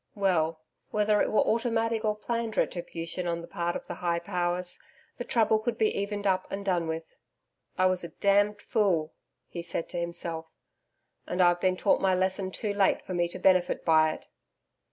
Well, whether it were automatic or planned retribution on the part of the High Powers, the trouble could be evened up and done with. 'I was a damned fool,' he said to himself; 'and I've been taught my lesson too late for me to benefit by it.